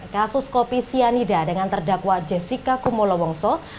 kasus kopi sianida dengan terdakwa jessica kumolo wongso